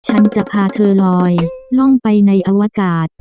ฉันจะพาเธอลอยล่องไปในอวกาศ